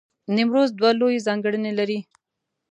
نیمروز دوه لوی ځانګړنې لرلې.